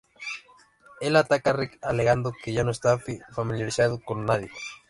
Él ataca a Rick, alegando que ya no está familiarizado con nadie.